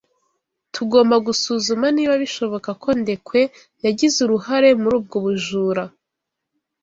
Tugomba gusuzuma niba bishoboka ko Ndekwe yagize uruhare muri ubwo bujura.